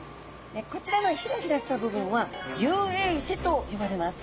こちらのヒラヒラした部分は遊泳肢と呼ばれます。